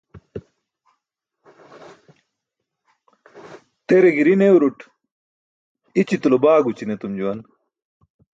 Tere giri neuruṭ ićitulo baagući̇n etum juwan.